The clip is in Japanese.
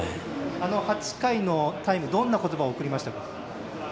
８回のタイムはどんなことばを送りましたか？